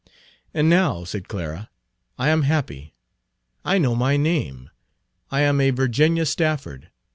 "And now," said Clara, "I am happy. I know my name. I am a Virginia Stafford.